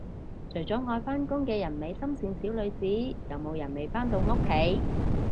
除咗愛返工嘅人美心善小女子，有冇人未返到屋企